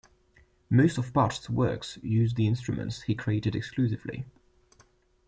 Most of Partch's works used the instruments he created exclusively.